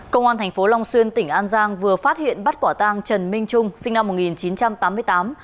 công an tp hcm vừa phát hiện bắt quả tang trần minh trung sinh năm một nghìn chín trăm tám mươi tám